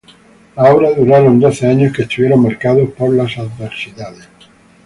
Las obras duraron doce años, que estuvieron marcados por las adversidades.